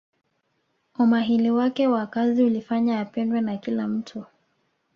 umahili wake wa kazi ulifanya apendwe na kila mtu